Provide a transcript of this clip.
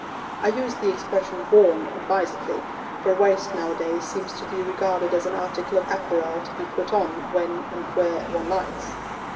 I use the expression 'worn' advisedly, for a waist nowadays seems to be regarded as an article of apparel to be put on when and where one likes.